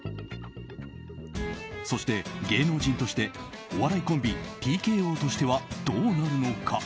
そして、芸能人としてお笑いコンビＴＫＯとしてはどうなるのか。